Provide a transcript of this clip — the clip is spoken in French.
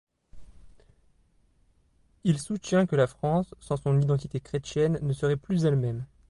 Il soutient que la France, sans son identité chrétienne, ne serait plus elle-même.